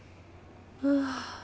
ああ。